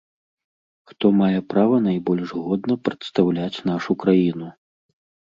Хто мае права найбольш годна прадстаўляць нашу краіну.